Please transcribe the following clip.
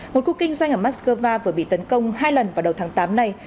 một cuộc kinh doanh ở moskova vừa bị tấn công hai lần vào đầu tháng tám này